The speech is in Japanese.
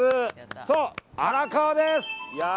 そう、荒川です。